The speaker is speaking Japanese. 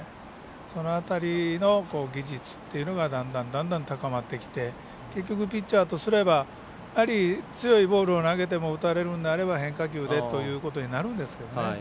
その辺りの技術っていうのがだんだん高まってきてピッチャーとすれば強いボールを投げても打たれるんであれば変化球でということになるんですけどね。